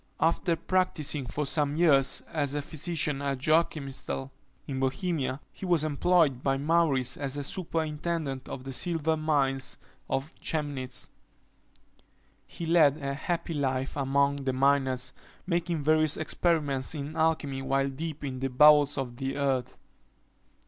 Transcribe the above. After practising for some years as a physician at Joachimsthal, in Bohemia, he was employed by Maurice as superintendent of the silver mines of Chemnitz. He led a happy life among the miners, making various experiments in alchymy while deep in the bowels of the earth.